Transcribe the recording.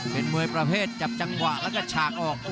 เป็นมวยประเภทจับจังหวะแล้วก็ฉากออก